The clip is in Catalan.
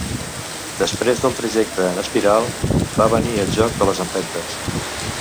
Després del trajecte en espiral va venir el joc de les empentes.